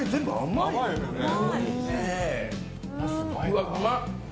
うわっうまっ！